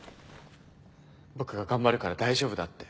「僕が頑張るから大丈夫だ」って。